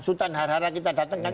sultan harhara kita datangkan